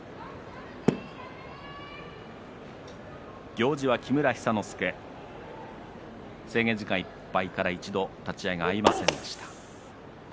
行司は木村寿之介制限時間いっぱいから一度立ち合いが合いませんでした。